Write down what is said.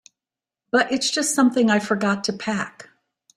But it's just something I forgot to pack.